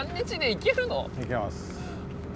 いけます。